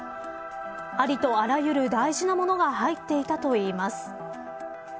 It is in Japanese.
ありとあらゆる大事なものが入っていたといいます。